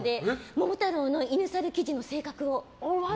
「桃太郎」の犬、サル、キジの性格を。